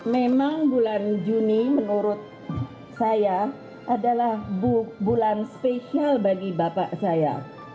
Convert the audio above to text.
memang bulan juni menurut saya adalah bulan spesial bagi bapak saya